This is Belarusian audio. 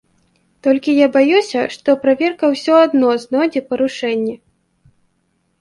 Толькі я баюся, што праверка ўсё адно знойдзе парушэнні.